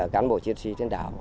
cán bộ chiến sĩ trên đảo